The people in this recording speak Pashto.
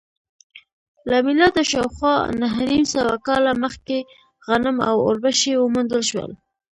له میلاده شاوخوا نهه نیم سوه کاله مخکې غنم او اوربشې وموندل شول